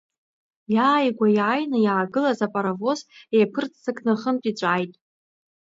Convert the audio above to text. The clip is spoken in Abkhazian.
Иааигәа иааины иаагылаз апаравоз еиқәырццакны хынтә иҵәааит.